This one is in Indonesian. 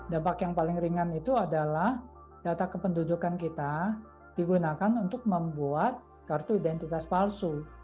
debak yang paling ringan itu adalah data kependudukan kita digunakan untuk membuat kartu identitas palsu